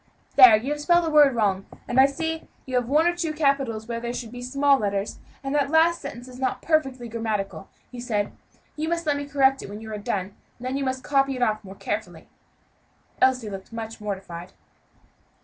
"There, you have spelled a word wrong, and I see you have one or two capitals where there should be a small letter; and that last sentence is not perfectly grammatical," he said. "You must let me correct it when you are done, and then you must copy it off more carefully." Elsie looked very much mortified.